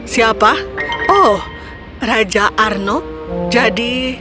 siapa oh raja arnold jadi